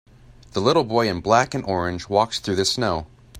The little boy in black and orange walks through the snow.